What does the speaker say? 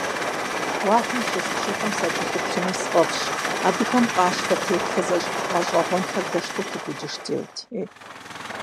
Уафэм щес пшэхэм сакӀэлъыплъыну сфӀэфӀщ, абыхэм къащтэ теплъэ гъэщӀэгъуэнхэр псэущхьэхэм изогъэщхь.